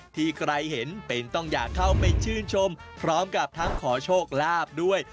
ที่ใครเห็นเป็นต้องอยากเข้าไปชื่นชมพร้อมกับทั้งขอโชคลาภด้วย